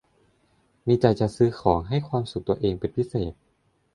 มีใจจะซื้อของให้ความสุขตัวเองเป็นพิเศษ